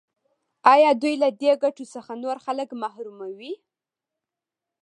آیا دوی له دې ګټو څخه نور خلک محروموي؟